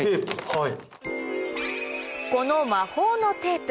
はい。